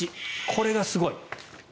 これがすごい。